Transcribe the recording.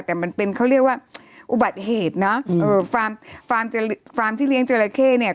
แต่มันเป็นเขาเรียกว่าอุบัติเหตุนะฟาร์มที่เลี้ยงเจราเข้เนี่ย